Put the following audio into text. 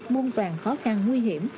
muôn vàng khó khăn nguy hiểm